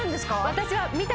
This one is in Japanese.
私は。